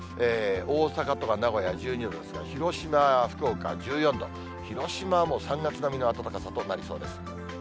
大阪とか名古屋１２度ですが、広島や福岡は１４度、広島はもう３月並みの暖かさとなりそうです。